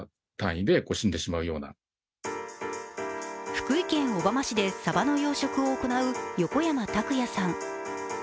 福井県小浜市でさばの養殖を行う横山拓也さん。